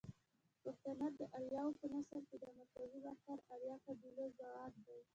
پښتانه ده اریاو په نسل کښی ده مرکزی باختر آرین قبیلو زواد دی